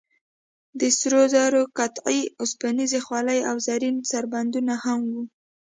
د سرو زرو قطعې، اوسپنیزې خولۍ او زرین سربندونه هم و.